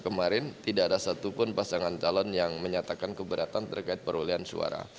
kemarin tidak ada satupun pasangan calon yang menyatakan keberatan terkait perolehan suara